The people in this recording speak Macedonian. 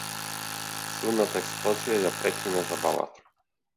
Силната експлозија ја прекина забавата.